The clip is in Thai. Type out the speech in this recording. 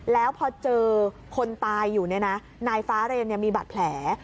แล้วพอเจอคนตายอยู่เนี่ยนะนายฟ้าเรนมีบาดแผล